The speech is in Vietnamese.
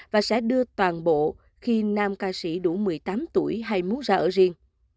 và sẽ đưa toàn bộ khi nam ca sĩ đủ một mươi tám tuổi hay muốn ra ở riêng